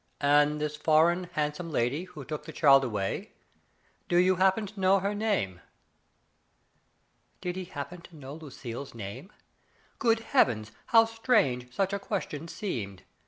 "And this foreign, handsome lady who took the child away, do you happen to know her name ?" Did he happen to know Lucille's name ! Good Heavens, how strange such a question seemed